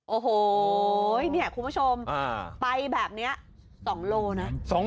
โอ้โหเนี่ยคุณผู้ชมไปแบบนี้๒โลนะ